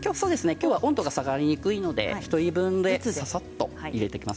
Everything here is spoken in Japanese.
きょうは温度が下がりにくいので１人分のものでささっと入れていきます。